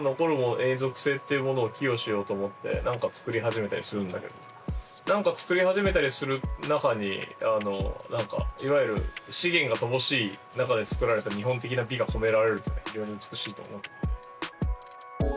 永続性っていうものを寄与しようと思って何か作り始めたりするんだけど何か作り始めたりする中に何かいわゆる資源が乏しいなかでつくられた日本的な美が込められるというのは非常に美しいと思う。